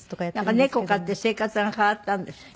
なんか猫飼って生活が変わったんですって？